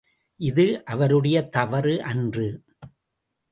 இது இவருடைய தவறு அன்று.